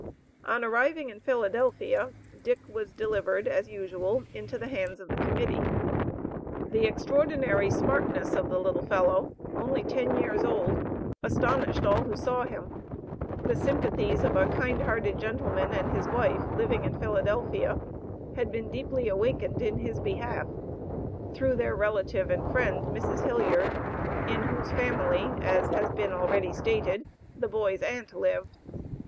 On arriving in Philadelphia, Dick was delivered, as usual, into the hands of the Committee. The extraordinary smartness of the little fellow (only ten years old), astonished all who saw him. The sympathies of a kind hearted gentleman and his wife, living in Philadelphia, had been deeply awakened in his behalf, through their relative and friend, Mrs. Hilliard, in whose family, as has been already stated, the boy's aunt lived.